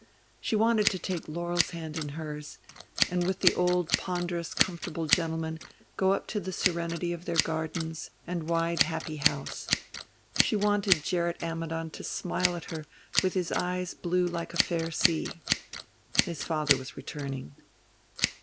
She wanted to take Laurel's hand in hers, and with the old ponderous comfortable gentleman go up to the serenity of their gardens and wide happy house. She wanted Gerrit Ammidon to smile at her with his eyes blue like a fair sea... His father was returning.